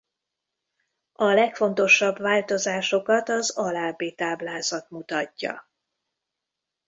A legfontosabb változásokat az alábbi táblázat mutatja.